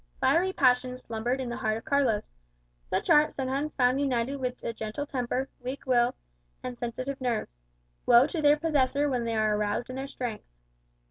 Fiery passions slumbered in the heart of Carlos. Such art sometimes found united with a gentle temper, a weak will, and sensitive nerves. Woe to their possessor when they are aroused in their strength!